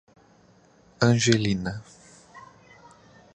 Angelina